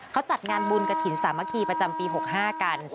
เขาจัดงานบุญกระถิ่นสามัคคีประจำปี๖๕กัน